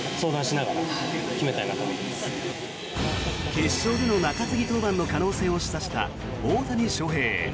決勝での中継ぎ登板の可能性を示唆した大谷翔平。